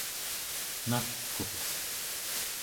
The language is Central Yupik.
nalkuq